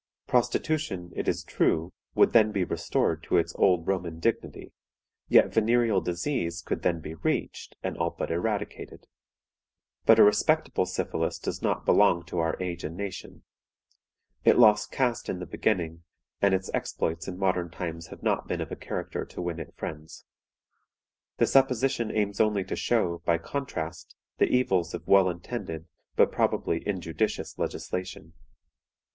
Prostitution, it is true, would then be restored to its old Roman dignity, yet venereal disease could then be reached, and all but eradicated. But a respectable syphilis does not belong to our age and nation. It lost caste in the beginning, and its exploits in modern times have not been of a character to win it friends. The supposition aims only to show, by contrast, the evils of well intended, but probably injudicious legislation.